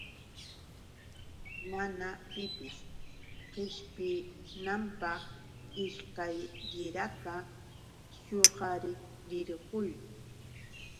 Mana pipis qishpinanpaq ishkalirata chuqarirquy.